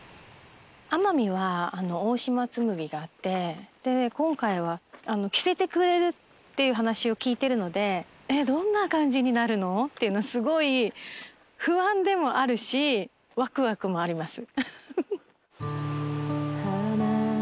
奄美は大島紬があって今回は着せてくれるっていう話を聞いてるのでどんな感じになるの？っていうのすごい不安でもあるしわくわくもあります。